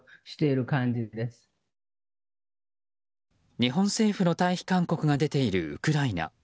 日本政府の退避勧告が出ているウクライナ。